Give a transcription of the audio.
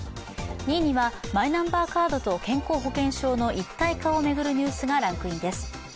２位にはマイナンバーカードと健康保険証の一体化を巡るニュースがランクインです。